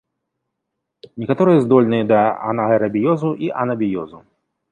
Некаторыя здольныя да анаэрабіёзу і анабіёзу.